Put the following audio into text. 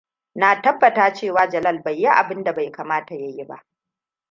Na tabbata cewa Jalal bai yi abun da bai kamata yayi ba.